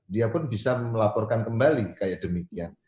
dia pun bisa melaporkan kembali kayak demikian